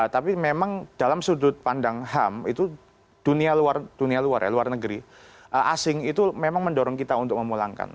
tapi memang dalam sudut pandang ham itu dunia luar ya luar negeri asing itu memang mendorong kita untuk memulangkan